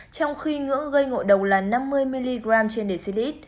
trong khi ngưỡng gây ngội độc là năm mươi mg trên decilit